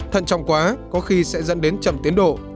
thận trọng quá có khi sẽ dẫn đến chậm tiến độ